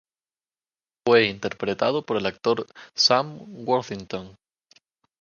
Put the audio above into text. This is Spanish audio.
Fue interpretado por el actor Sam Worthington.